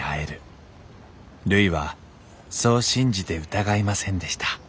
るいはそう信じて疑いませんでした